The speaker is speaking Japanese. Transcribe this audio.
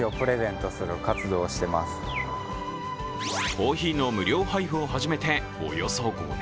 コーヒーの無料配布を始めておよそ５年。